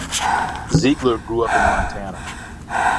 Ziegler grew up in Montana.